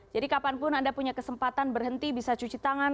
jadi kapanpun anda punya kesempatan berhenti bisa cuci tangan